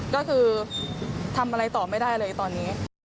ก็คือทำอะไรต่อไม่ได้เลยตอนนี้